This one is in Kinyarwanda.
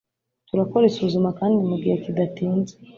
turakora isuzuma kandi mu gihe kidatinze.